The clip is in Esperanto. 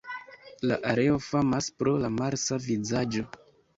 La areo famas pro la Marsa vizaĝo.